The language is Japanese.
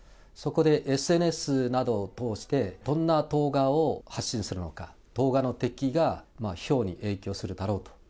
そこでＳＮＳなどを通して、どんな動画を発信するのか、動画の出来が票に影響するだろうと。